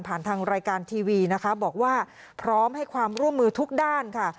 ทางรายการทีวีนะคะบอกว่าพร้อมให้ความร่วมมือทุกด้านค่ะ